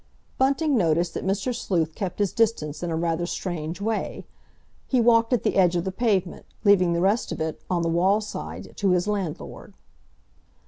Bunting noticed that Mr. Sleuth kept his distance in a rather strange way; he walked at the edge of the pavement, leaving the rest of it, on the wall side, to his landlord.